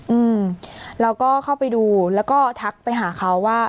อืมเราก็เข้าไปดูแล้วก็ทักไปหาเขาว่า